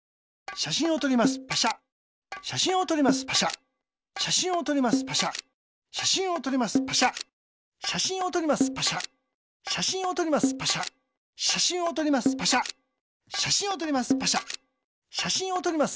しゃしんをとります。